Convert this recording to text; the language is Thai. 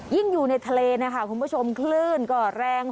อยู่ในทะเลนะคะคุณผู้ชมคลื่นก็แรง